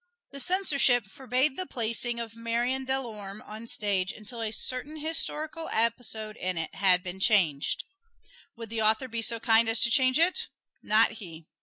The censorship forbade the placing of "Marion Delorme" on the stage until a certain historical episode in it had been changed. Would the author be so kind as to change it? Not he.